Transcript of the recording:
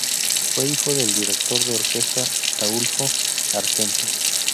Fue hijo del director de orquesta Ataúlfo Argenta.